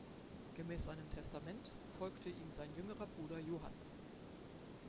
Gemäß seinem Testament folgte ihm sein jüngerer Bruder Johann.